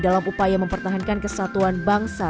dalam upaya mempertahankan kesatuan bangsa